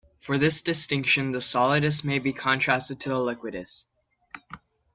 For this distinction, the solidus may be contrasted to the liquidus.